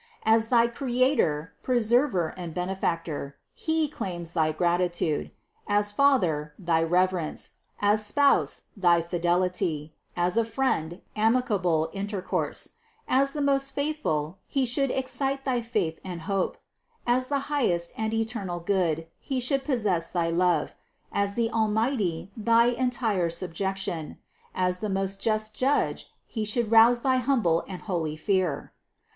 As thy Creator, Preserver and Benefac tor, He claims thy gratitude; as Father, thy reverence; as Spouse, thy fidelity ; as a Friend, amicable intercourse ; as the most Faithful, He should excite thy faith and hope ; as the highest and eternal Good, He should possess thy love; as the Almighty, thy entire subjection; as the 350 CITY OF GOD most just Judge, He should rouse thy humble and holy fear.